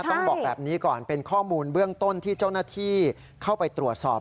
ต้องบอกแบบนี้ก่อนเป็นข้อมูลเบื้องต้นที่เจ้าหน้าที่เข้าไปตรวจสอบ